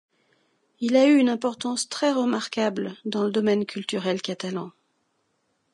Il a eu une importance très remarquable dans le domaine culturel catalan.